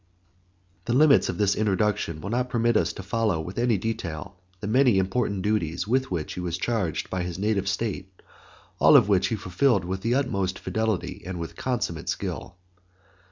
The limits of this introduction will not permit us to follow with any detail the many important duties with which he was charged by his native state, all of which he fulfilled with the utmost fidelity and with consummate skill.